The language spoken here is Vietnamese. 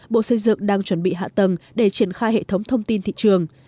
bộ xây dựng đang chuẩn bị hạ tầng để triển khai hệ thống thông tin thị trường